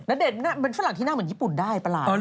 ณเดชน์เป็นฝรั่งที่หน้าเหมือนญี่ปุ่นได้ประหลาด